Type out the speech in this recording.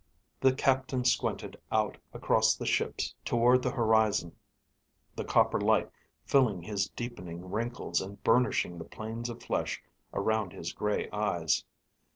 The captain squinted out across the ships toward the horizon, the copper light filling his deepening wrinkles and burnishing the planes of flesh around his gray eyes.